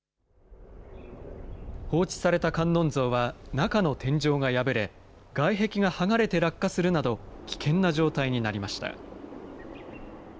放置された観音像は中の天井が破れ、外壁が剥がれて落下するなど、危険な状態になりました。